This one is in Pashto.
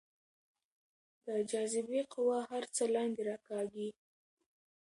د جاذبې قوه هر څه لاندې راکاږي.